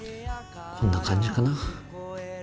こんな感じかな？